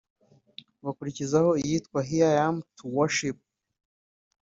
bakurikizaho iyitwa Here I am to Worship